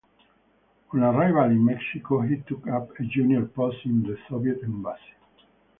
On arrival in Mexico he took up a junior post in the Soviet embassy.